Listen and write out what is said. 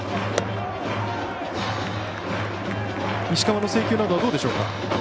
石川の制球などどうでしょうか。